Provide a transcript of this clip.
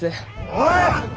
おい！